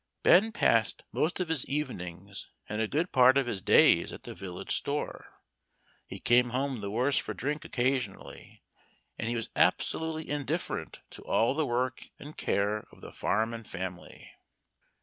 Ben passed most of his evenings and a good part of his days at the village "store." He came home the worse for drink occasionally, and he was absolutely indifferent to all the work and care of the farm and family.